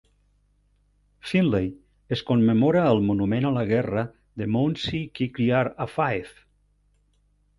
Finlay es commemora al monument a la guerra de Moonzie Kirkyard a Fife.